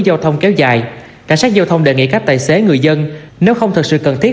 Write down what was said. giao thông kéo dài cảnh sát giao thông đề nghị các tài xế người dân nếu không thực sự cần thiết